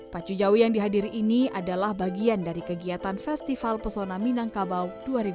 pacu jawi yang dihadiri ini adalah bagian dari kegiatan festival pesona minangkabau dua ribu dua puluh